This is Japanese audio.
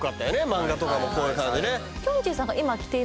漫画とかもこういう感じね